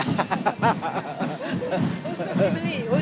khusus sih beli